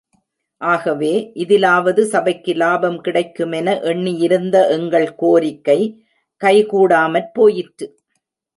ஆகவே இதிலாவது சபைக்கு லாபம் கிடைக்குமென எண்ணியிருந்த எங்கள் கோரிக்கை கைகூடாமற் போயிற்று.